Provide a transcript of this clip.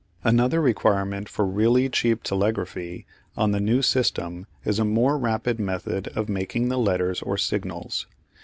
Another requirement for really cheap telegraphy on the new system is a more rapid method of making the letters or signals.